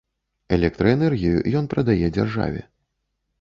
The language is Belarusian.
Электраэнергію ён прадае дзяржаве.